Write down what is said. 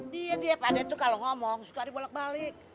dia dia pada itu kalau ngomong suka dibolak balik